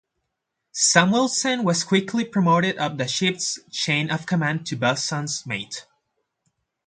Samuelsen was quickly promoted up the ships chain-of-command to boson's mate.